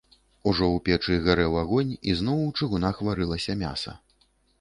Ужо ў печы гарэў агонь, і зноў у чыгунах варылася мяса.